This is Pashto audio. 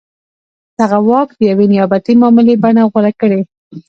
دغه واک د یوې نیابتي معاملې بڼه غوره کړې.